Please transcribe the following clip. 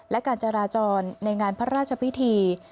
และการจราจรในงานพระราชพิธี